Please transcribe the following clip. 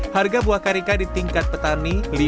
harga buah karika di tingkat petani